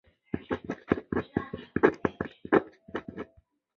柱筒枸杞为茄科枸杞属下的一个种。